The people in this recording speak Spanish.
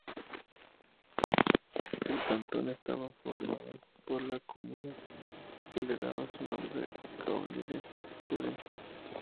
El cantón estaba formado por la comuna que le daba su nombre, Caluire-et-Cuire.